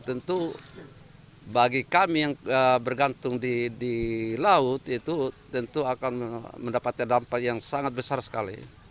tentu bagi kami yang bergantung di laut itu tentu akan mendapatkan dampak yang sangat besar sekali